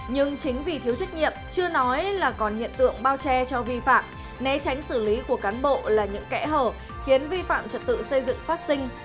nhưng chính vì thiếu trách nhiệm chưa nói là còn hiện tượng bao che cho vi phạm né tránh xử lý của cán bộ là những kẽ hở khiến vi phạm trật tự xây dựng phát sinh